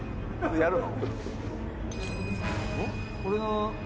やるの？」